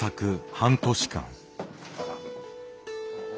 半年間。